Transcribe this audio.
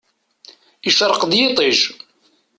Icreq-d yiṭij.